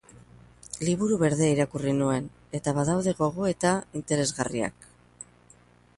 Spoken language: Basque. Liburu Berdea irakurri nuen, eta badaude gogoeta interesgarriak.